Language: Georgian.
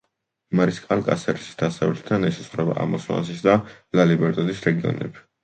მარისკალ-კასერესის დასავლეთიდან ესაზღვრება ამასონასის და ლა-ლიბერტადის რეგიონები.